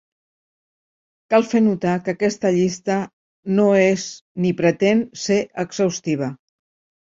Cal fer notar que aquesta llista no és ni pretén ser exhaustiva.